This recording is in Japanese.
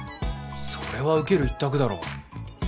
それは受ける一択だろ